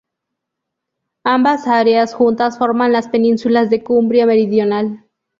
Ambas áreas juntas forman las penínsulas de Cumbria meridional.